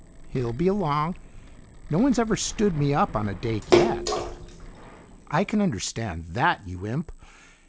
"He'll be along. No one's ever stood me up on a date yet." "I can understand that, you imp!